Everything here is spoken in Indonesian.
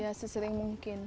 ya sesering mungkin